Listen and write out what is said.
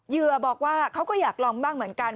เหยื่อบอกว่าเขาก็อยากลองบ้างเหมือนกัน